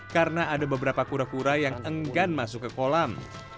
karena ada beberapa kura kura yang enggan masuk ke kolam